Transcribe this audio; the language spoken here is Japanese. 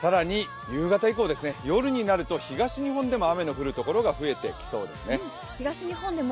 更に夕方以降、夜になると東日本でも雨の降る所が増えてきそうですね。